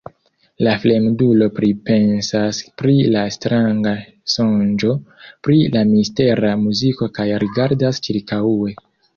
La fremdulo pripensas pri la stranga sonĝo, pri la mistera muziko kaj rigardas ĉirkaŭe.